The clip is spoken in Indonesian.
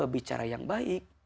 bicara yang baik